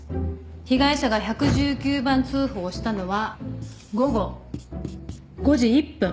被害者が１１９番通報したのは午後５時１分。